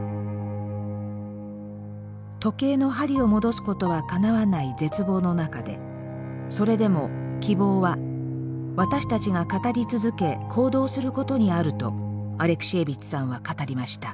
時計の針を戻すことはかなわない絶望の中でそれでも希望は私たちが語り続け行動することにあるとアレクシエービッチさんは語りました。